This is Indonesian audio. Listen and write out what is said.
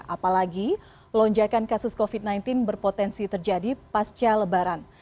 apalagi lonjakan kasus covid sembilan belas berpotensi terjadi pasca lebaran